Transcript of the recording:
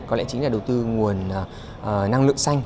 có lẽ chính là đầu tư nguồn năng lượng xanh